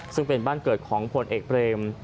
ซึ่งเป็นบ้านเกิดของผลเอกเบรม